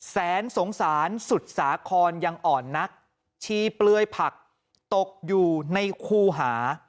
แสนสงสารสุดสาครยังอ่อนนักชีเปลือยผักตกอยู่ในคูหา